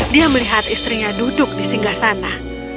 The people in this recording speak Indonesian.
dia melihat istrinya duduk di singgah sana